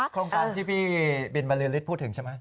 โครงการที่พี่บิลบาลื้อริสต์พูดถึงใช่ไหม